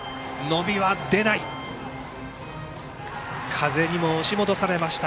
風にも押し戻されました。